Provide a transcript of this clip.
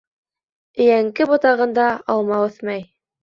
Өйәңке ботағында алма үҫмәй.